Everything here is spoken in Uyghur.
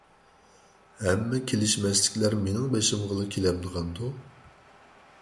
ھەممە كېلىشمەسلىكلەر مېنىڭ بېشىمغىلا كېلەمدىغاندۇ؟